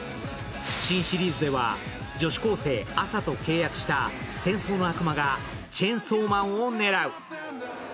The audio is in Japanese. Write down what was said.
新シリーズでは女子高生・アサと契約した戦争の悪魔がチェンソーマンを狙う。